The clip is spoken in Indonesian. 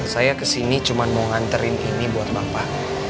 saya kesini cuma mau nganterin ini buat bapak